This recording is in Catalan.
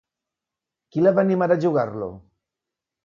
Qui la va animar a jugar-lo?